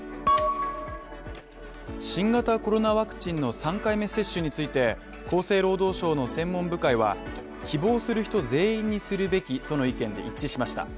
新型コロナワクチンの３回目接種について、厚生労働省の専門部会は、希望する人全員にするべきとの意見で一致しました。